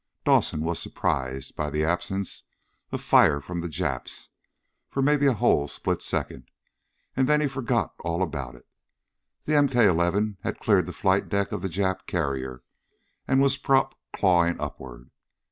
Dawson was surprised by the absence of fire from the Japs for maybe a whole split second. And then he forgot all about it. The MK 11 had cleared the flight deck of the Jap carrier and was prop clawing upward.